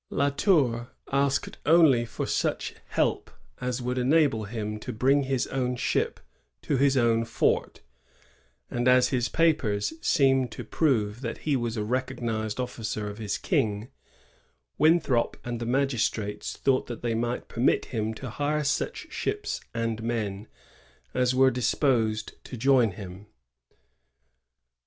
La Tour asked only for such help as would enable him to bring his own ship to his own fort; and, as his papers seemed to prove that he was a recognized officer of his King, Winthrop and the magistrates thought that they might permit him to hire such ships and men as were disposed to join him.